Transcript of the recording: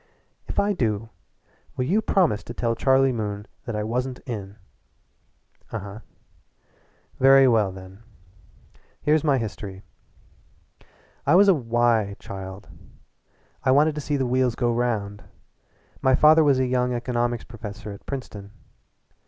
"If I do, will you promise to tell Charlie Moon that I wasn't in?" "Uh uh." "Very well, then. Here's my history: I was a 'why' child. I wanted to see the wheels go round. My father was a young economics professor at Princeton.